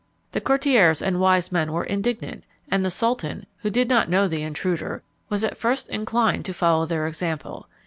The courtiers and wise men were indignant; and the sultan, who did not know the intruder, was at first inclined to follow their example.